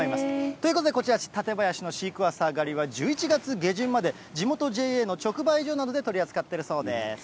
ということでこちら、館林のシークワーサー狩りは１１月下旬まで、地元ＪＡの直売所などで取り扱ってるそうです。